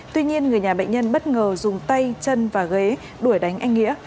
tuy nhiên người nhà bệnh nhân bất ngờ dùng tay chân và ghế đuổi đánh anh nghĩa